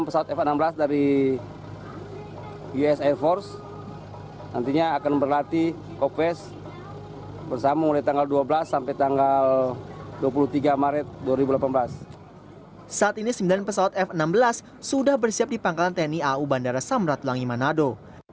saat ini sembilan pesawat f enam belas sudah bersiap di pangkalan tni au bandara samratulangi manado